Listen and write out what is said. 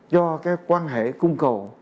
do cái quan hệ cung cầu